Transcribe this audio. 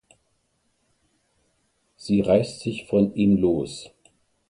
Sie reißt sich von ihm los.